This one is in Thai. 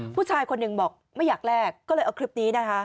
ผู้ชายคนหนึ่งบอกไม่อยากแลกก็เลยเอาคลิปนี้นะคะ